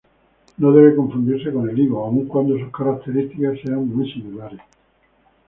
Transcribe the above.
No debe confundirse con el higo, aun cuando sus características sean muy similares.